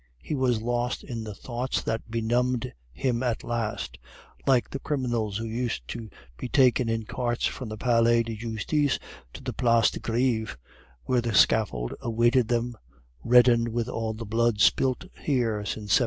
He was lost in the thoughts that benumbed him at last, like the criminals who used to be taken in carts from the Palais de Justice to the Place de Greve, where the scaffold awaited them reddened with all the blood spilt here since 1793.